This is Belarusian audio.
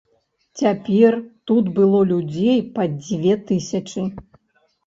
Цяпер тут было людзей пад дзве тысячы.